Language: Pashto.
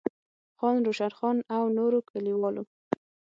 خان روشن خان او نورو ليکوالو